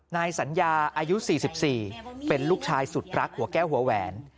นายสัญญาอายุ๔๔เป็นลูกชายสุดรักหัวแก้วหัวแหวน